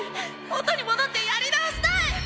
元にもどってやり直したい。